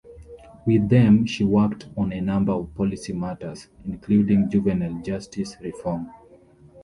With them, she worked on a number of policy matters, including juvenile justice reform.